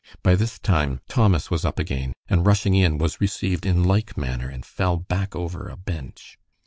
By this time Thomas was up again, and rushing in was received in like manner, and fell back over a bench.